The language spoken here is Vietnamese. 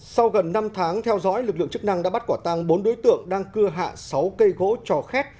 sau gần năm tháng theo dõi lực lượng chức năng đã bắt quả tăng bốn đối tượng đang cưa hạ sáu cây gỗ trò khét